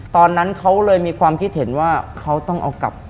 ตอนนั้นเขาเลยมีความคิดเห็นว่าเขาต้องเอากลับ